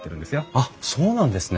あっそうなんですね。